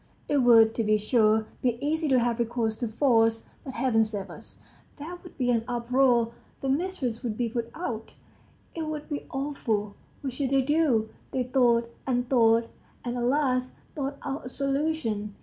It would, to be sure, be easy to have recourse to force. But Heaven save us! There would be an uproar, the mistress would be put out it would be awful! What should they do? They thought and thought, and at last thought out a solution.